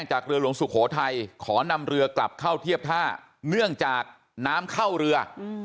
จากเรือหลวงสุโขทัยขอนำเรือกลับเข้าเทียบท่าเนื่องจากน้ำเข้าเรือ